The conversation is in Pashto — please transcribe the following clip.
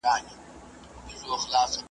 او د وخت حکومت سره يې بيرته اړيکه ونيوله